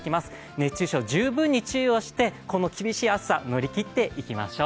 熱中症、十分に注意をして、この厳しい暑さを乗り切っていきましょう。